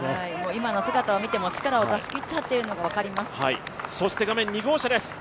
今の姿を見ても、力を出しきったのが分かります。